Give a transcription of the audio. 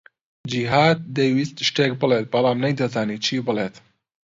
جیھاد دەیویست شتێک بڵێت، بەڵام نەیدەزانی چی بڵێت.